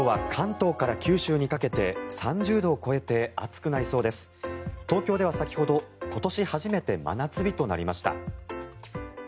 東京では先ほど今年初めて真夏日となりました。